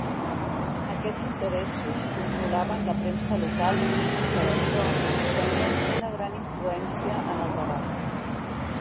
Aquests interessos controlaven la premsa local i, per això, tenien una gran influència en el debat.